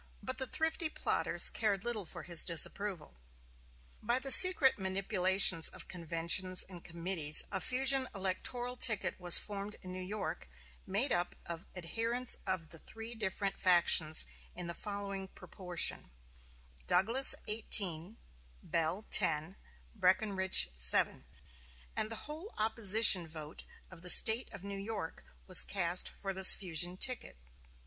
But the thrifty plotters cared little for his disapproval. By the secret manipulations of conventions and committees a fusion electoral ticket was formed in New York, made up of adherents of the three different factions in the following proportion: Douglas, eighteen; Bell, ten; Breckinridge, seven; and the whole opposition vote of the State of New York was cast for this fusion ticket.